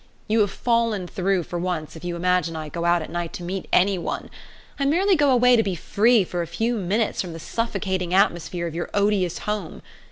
You have fallen through for once if you imagine I go out at night to meet any one I merely go away to be free for a few minutes from the suffocating atmosphere of your odious home.